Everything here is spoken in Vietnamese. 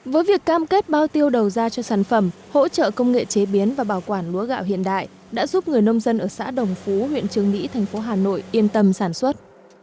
với việc cam kết bao tiêu đầu ra cho sản phẩm hỗ trợ công nghệ chế biến và bảo quản lúa gạo hiện đại đã giúp người nông dân ở xã đồng phú huyện trường mỹ thành phố hà nội yên tâm sản xuất